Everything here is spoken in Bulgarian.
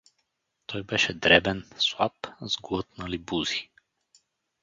Той беше дребен, слаб, с глътнали бузи.